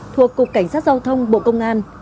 thuộc cục cảnh sát giao thông bộ công an